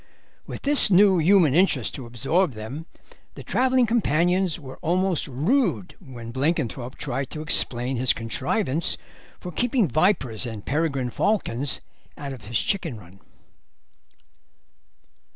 With this new human interest to absorb them the travelling companions were almost rude when Blenkinthrope tried to explain his contrivance for keeping vipers and peregrine falcons out of his chicken run.